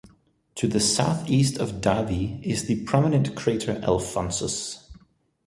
To the southeast of Davy is the prominent crater Alphonsus.